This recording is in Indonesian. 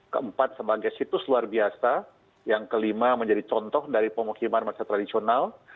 keempat sebagai situs luar biasa yang kelima menjadi contoh dari pemukiman masyarakat tradisional